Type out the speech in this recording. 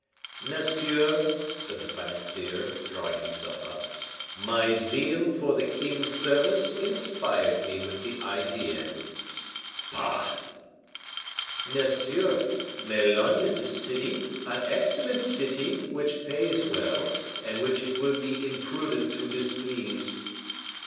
"Monsieur," said the financier, drawing himself up, "my zeal for the king's service inspired me with the idea." "Bah!" "Monsieur, Melun is a city, an excellent city, which pays well, and which it would be imprudent to displease."